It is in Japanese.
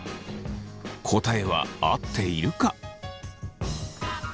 答えは合っているか？